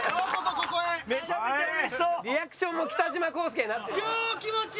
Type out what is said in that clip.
リアクションも北島康介になってるから。